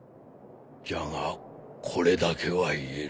じゃがこれだけは言える。